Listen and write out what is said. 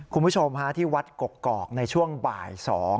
คุณผู้ชมฮะที่วัดกกอกในช่วงบ่าย๒